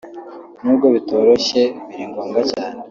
nubwo bitoroshye biri ngombwa cyane